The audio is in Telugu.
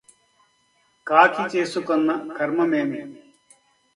కాకి చేసుకొన్న కర్మమేమి